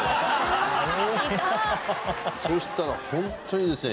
そしたらホントにですね